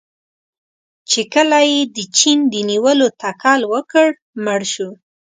چې کله یې د چین د نیولو تکل وکړ، مړ شو.